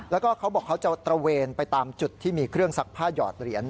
แล้วก็เขาบอกเขาจะตระเวนไปตามจุดที่มีเครื่องซักผ้าหยอดเหรียญ